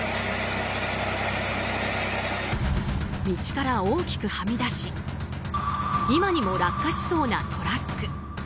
道から大きくはみ出し今にも落下しそうなトラック。